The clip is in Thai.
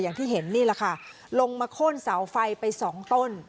อย่างที่เห็นนี่แหละค่ะลงมาโค้นเสาไฟไปสองต้น